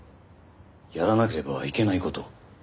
やらなければいけない事？